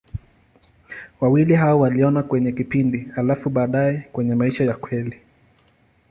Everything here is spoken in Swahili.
Wawili hao waliona kwenye kipindi, halafu baadaye kwenye maisha ya kweli.